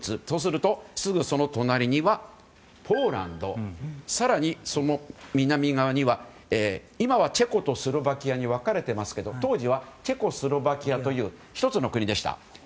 そしてすぐ隣にはポーランド、更にその南側には今はチェコとスロバキアに分かれていますけども当時はチェコスロバキアという１つの国でした。